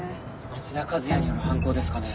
町田和也による犯行ですかね？